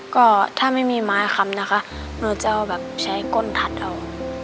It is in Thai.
ก็ถ้าไม่มีไม้คำนะคะหนูจะเอาแบบใช้ก้นถัดเอา